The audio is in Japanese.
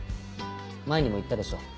前にも言ったでしょ。